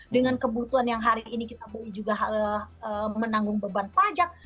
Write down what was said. dengan kebutuhan yang hari ini kita beli juga menanggung beban pajak